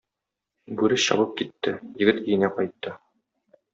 Бүре чабып китте, егет өенә кайтты.